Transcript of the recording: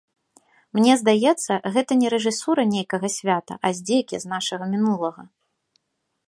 Мне здаецца, гэта не рэжысура нейкага свята, а здзекі з нашага мінулага.